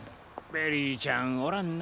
ベリーちゃんおらんな。